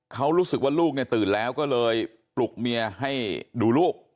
เขารู้สึกว่าลูกเนี่ยตื่นแล้วก็เลยปลุกเมียให้ดูลูก